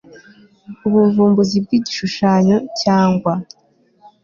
ubuvumbuzi bw igishushanyo cyangwa